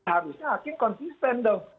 harusnya hakim konsisten dong